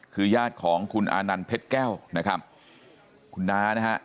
คือญาติของคุณอานันต์เพชรแก้วนะครับคุณน้านะฮะ